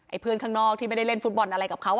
เพื่อนข้างนอกที่ไม่ได้เล่นฟุตบอลอะไรกับเขา